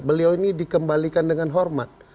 beliau ini dikembalikan dengan hormat